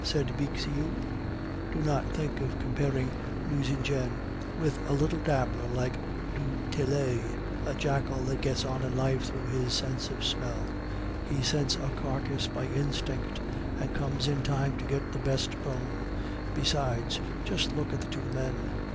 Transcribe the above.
said Bixiou, "do not think of comparing Nucingen with a little dabbler like du Tillet, a jackal that gets on in life through his sense of smell. He scents a carcass by instinct, and comes in time to get the best bone. Besides, just look at the two men.